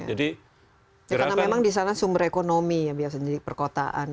ya karena memang di sana sumber ekonomi ya biasa jadi perkotaan